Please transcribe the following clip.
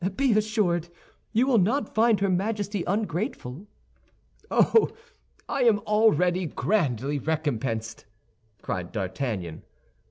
"Be assured you will not find her Majesty ungrateful." "Oh, I am already grandly recompensed!" cried D'Artagnan.